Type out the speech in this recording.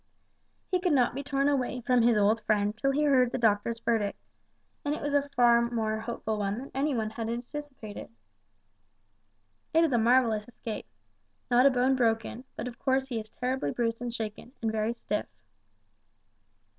He could not be torn away from his old friend till he heard the doctor's verdict, and it was a far more hopeful one than anybody had anticipated. "It is a marvellous escape. Not a bone broken, but of course he is terribly bruised and shaken, and very stiff."